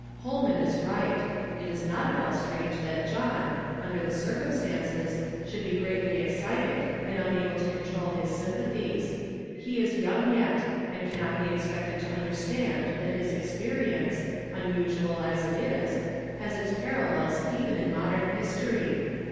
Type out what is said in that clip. " Holman is right ; it is not at all strange that John, under the circumstances, sliould be greatly excited and unable to control his sympathies. He is 3'oung yet, and cannot be expected to under stand that his experience, unusual as it is, has its parallels even in modern history.